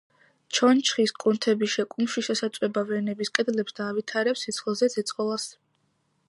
ჩონჩხის კუნთები შეკუმშვისას აწვება ვენების კედლებს და ავითარებს სისხლზე ზეწოლას.